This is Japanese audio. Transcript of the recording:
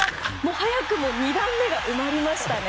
早くも２段目が埋まりましたね。